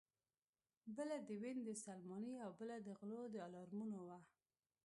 بله د وین د سلماني او بله د غلو د الارمونو وه